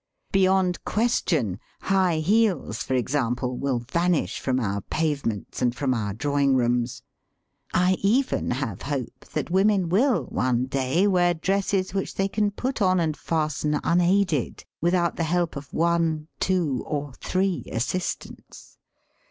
Beyond question high heels, for exam ple, will vanish from our pavements and from our drawing rooms. I even have hope that women wiU one day wear dresses which they can put on and fasten unaided without the help of one, two, or three assistants.